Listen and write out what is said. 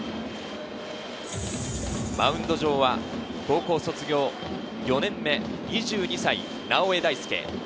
マウンド上は高校卒業４年目、２２歳、直江大輔。